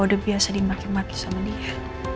udah biasa dimaki maki sama dia